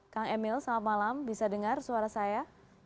kang emil selamat malam bisa dengar suara saya